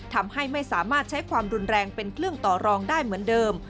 ทำให้ไม่สามารถใช้ความรุนแรงเป็นเครื่องต่อรองได้เหมือนเดิม